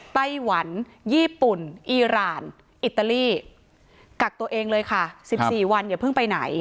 ไต้หวันญี่ปุ่นอีรานอิตาลีกักตัวเองเลยค่ะ๑๔วันอย่าเพิ่งไปไหน